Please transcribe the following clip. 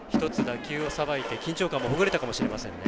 １つ打球をさばいて緊張感もほぐれたかもしれません。